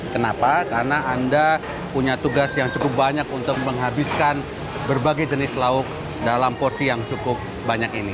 kenapa karena anda punya tugas yang cukup banyak untuk menghabiskan berbagai jenis lauk dalam porsi yang cukup banyak ini